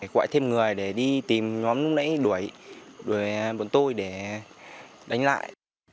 gọi thêm người để đi tìm nhóm nãy đuổi đuổi bọn tôi để đánh lại